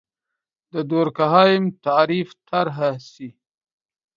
د دورکهايم تعریف طرحه سي.